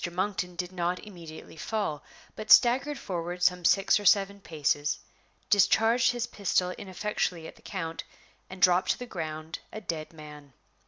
Monkton did not immediately fall, but staggered forward some six or seven paces, discharged his pistol ineffectually at the count, and dropped to the ground a dead man.